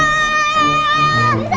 bisa dikebuka li